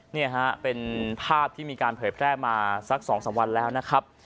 นี่ฮะเป็นภาพที่มีการเผยแพร่มาสัก๒๓วันแล้วนะครับ